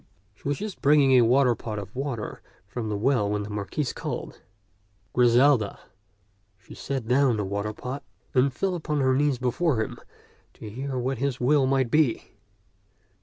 She was just bringing a waterpot of water from the well when the Marquis called, "Griselda." She set down the waterpot and fell upon her knees before him to hear what his will might be.